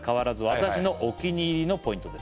「私のお気に入りのポイントです」